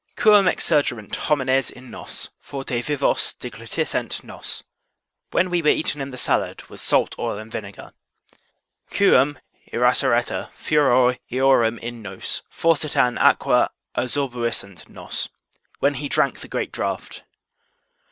Quum exsurgerent homines in nos, forte vivos deglutissent nos; when we were eaten in the salad, with salt, oil, and vinegar. Quum irasceretur furor eorum in nos, forsitan aqua absorbuisset nos; when he drank the great draught.